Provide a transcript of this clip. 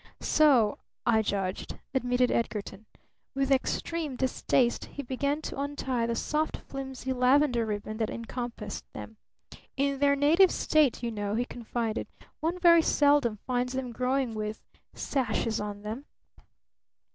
"So I judged," admitted Edgarton. With extreme distaste he began to untie the soft flimsy lavender ribbon that encompassed them. "In their native state, you know," he confided, "one very seldom finds them growing with sashes on them."